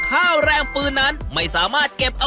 ใช่ให้มันอยู่ตัวให้มันแข็ง